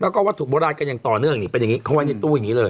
แล้วก็วัตถุโบราณกันอย่างต่อเนื่องนี่เป็นอย่างนี้เขาไว้ในตู้อย่างนี้เลย